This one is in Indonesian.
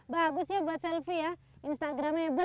bagus ya buat selfie ya instagramable